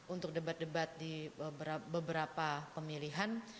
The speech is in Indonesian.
untuk debat debat di beberapa pemilihan